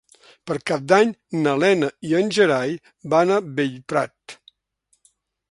Per Cap d'Any na Lena i en Gerai van a Bellprat.